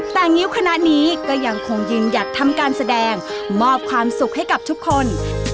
แต่งิ้วคณะนี้ก็ยังคงยืนหยัดทำการแสดงมอบความสุขให้กับทุกคน